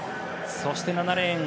そして７レーン